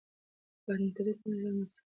که انټرنيټ نه وای ژوند به سخت و.